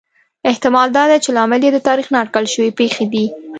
احتمال دا دی چې لامل یې د تاریخ نا اټکل شوې پېښې دي